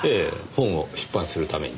本を出版するために。